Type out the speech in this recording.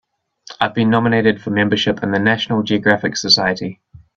I've been nominated for membership in the National Geographic Society.